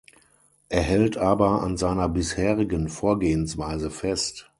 Er hält aber an seiner bisherigen Vorgehensweise fest.